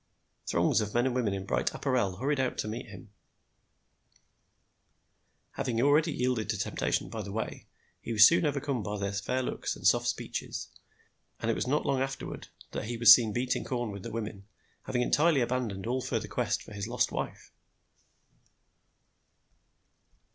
Throngs of men and women in bright apparel hurried out to meet him. Having already yielded to temptation by the way, he was soon overcome by their fair looks and soft speeches; and it was not long afterward that he was seen beating corn with the women, having entirely abandoned all further quest for his lost wife.